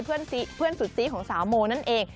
เพื่อนสุดซีของสาวโมนั่นเอง